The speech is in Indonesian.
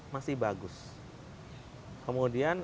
masih bagus kemudian